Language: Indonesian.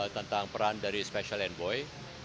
tentang peran dari special envoy